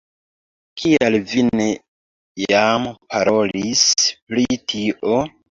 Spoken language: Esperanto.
Kial vi ne jam parolis pri tio?